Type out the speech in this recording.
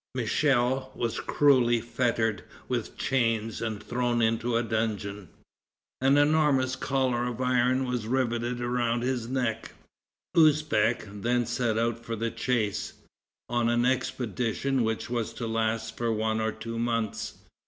Michel was cruelly fettered with chains and thrown into a dungeon. An enormous collar of iron was riveted around his neck. Usbeck then set out for the chase, on an expedition which was to last for one or two months.